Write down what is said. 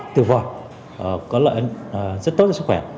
từ vòi có lợi ảnh rất tốt cho sức khỏe